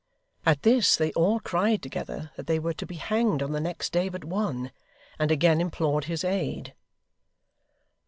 At this they all cried together that they were to be hanged on the next day but one; and again implored his aid.